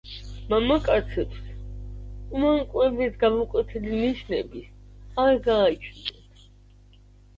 მამაკაცებს უმანკოების გამოკვეთილი ნიშნები არ გააჩნიათ.